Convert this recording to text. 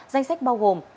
danh sách bao gồm